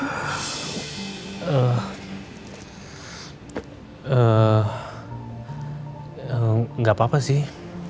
eh eh enggak apa apa sih